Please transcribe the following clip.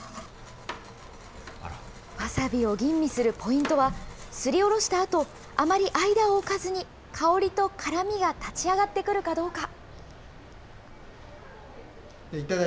わさびを吟味するポイントは、すりおろしたあと、あまり間を置かずに、香りと辛みが立ち上がってくるかどうか。